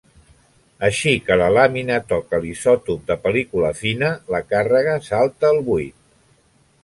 Així que la làmina toca l'isòtop de pel·lícula fina, la càrrega salta el buit.